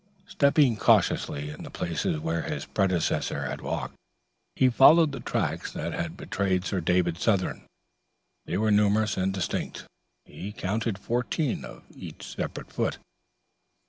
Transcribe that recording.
Stepping cautiously in the places where his predecessors had walked, he followed the tracks that had betrayed Sir David Southern. They were numerous and distinct; he counted fourteen of each separate foot.